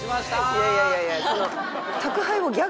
いやいやいやいや。